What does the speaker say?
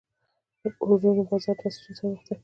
د کورونو بازار له ستونزو سره مخ دی.